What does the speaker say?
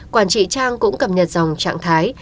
quản trị trang cũng cập nhật dòng trạng thái